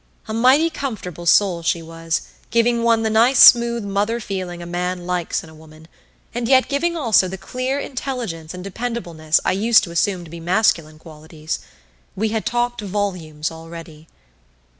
A mighty comfortable soul she was, giving one the nice smooth mother feeling a man likes in a woman, and yet giving also the clear intelligence and dependableness I used to assume to be masculine qualities. We had talked volumes already.